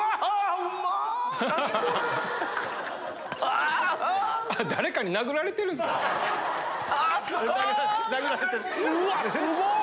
うわすごっ！